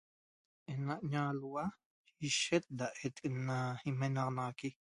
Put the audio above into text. Ne'ena ña'alhua ishet da et ena ñimenaxanaxaqui